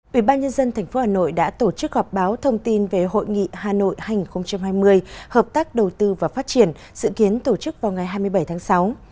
ủy ban nhân dân tp hà nội đã tổ chức họp báo thông tin về hội nghị hà nội hai nghìn hai mươi hợp tác đầu tư và phát triển dự kiến tổ chức vào ngày hai mươi bảy tháng sáu